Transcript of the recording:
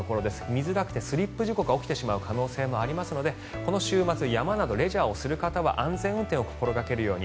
見づらくてスリップ事故が起きてしまう可能性がありますのでこの週末山などレジャーをする方は安全運転を心掛けるように。